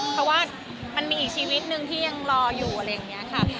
เพราะว่ามันมีอีกชีวิตหนึ่งที่ยังรออยู่อะไรอย่างนี้ค่ะ